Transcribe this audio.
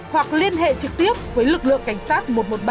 hoặc liên hệ trực tiếp với lực lượng cảnh sát một trăm một mươi ba